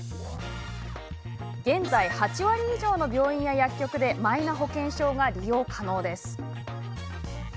現在８割以上の病院や薬局でマイナ保険証が利用可能。